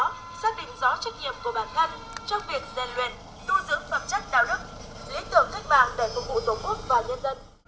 từ đó xác định rõ trách nhiệm của bản thân trong việc dền luyện tu dưỡng phẩm chất đạo đức lý tưởng thích bạc để phục vụ tổ quốc và nhân dân